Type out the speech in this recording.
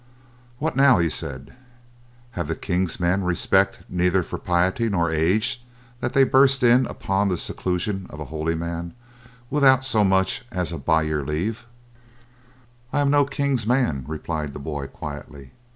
"What now," he said, "have the King's men respect neither for piety nor age that they burst in upon the seclusion of a holy man without so much as a 'by your leave'?" "I am no king's man," replied the boy quietly.